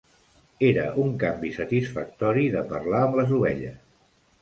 Era un canvi satisfactori de parlar amb les ovelles.